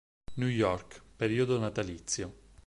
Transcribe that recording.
New York, periodo natalizio.